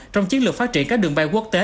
trong chiến lược phát triển các đường bay quốc tế